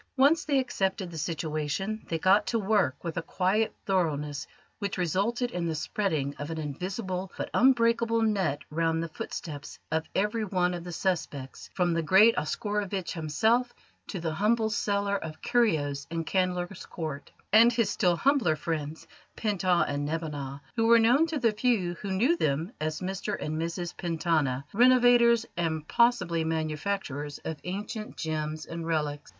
Once they accepted the situation, they got to work with a quiet thoroughness which resulted in the spreading of an invisible but unbreakable net round the footsteps of every one of the suspects from the great Oscarovitch himself to the humble seller of curios in Candler's Court, and his still humbler friends Pent Ah and Neb Anat, who were known to the few who knew them as Mr and Mrs Pentana, renovators, and, possibly manufacturers, of ancient gems and relics.